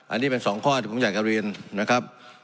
อันนี้เป็นสองข้อที่ผมอยากจะเรียนนะครับ